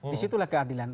di situlah keadilan